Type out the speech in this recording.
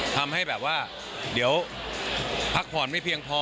ทำให้แบบว่าเดี๋ยวพักผ่อนไม่เพียงพอ